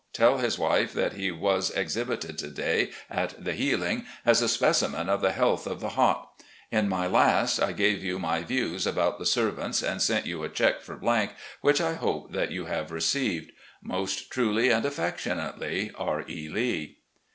Tell his wife that he was exhibited to day at the Healing as a specimen of the health of the Hot. In my last I gave you my ■views about the servants and sent you a check for , which I hope that you have received. Most truly and affectionately, "R. E. Lee."